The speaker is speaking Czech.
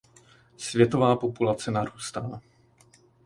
Světová populace narůstá.